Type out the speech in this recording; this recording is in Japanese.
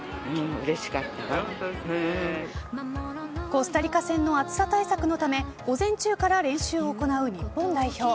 コスタリカ戦の暑さ対策のため午前中から練習を行う日本代表。